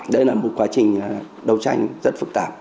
đây là một quá trình đấu tranh rất phức tạp